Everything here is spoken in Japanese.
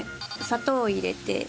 砂糖を入れて。